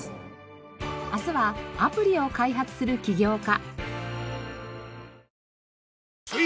明日はアプリを開発する起業家。